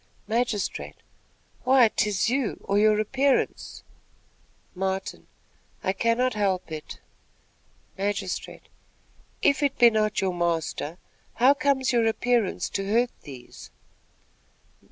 Magistrate. "Why, 'tis you, or your appearance." Martin. "I cannot help it." Magistrate. "If it be not your master, how comes your appearance to hurt these?"